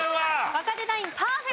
若手ナインパーフェクト。